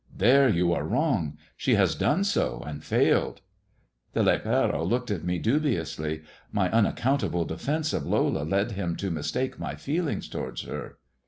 " There you are wrong. She has done so and failed." The lepero looked at me dubiously. My unaccountable defence of Lola led him to mistake my feelings towards her.